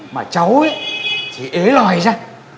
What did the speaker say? mà cháu thì ế loay ra